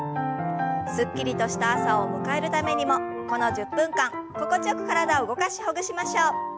すっきりとした朝を迎えるためにもこの１０分間心地よく体を動かしほぐしましょう。